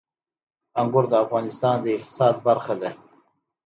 انګور د افغانستان د اقتصاد برخه ده.